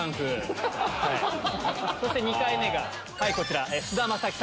そして２回目がこちら。